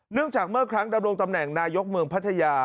จากเมื่อครั้งดำรงตำแหน่งนายกเมืองพัทยา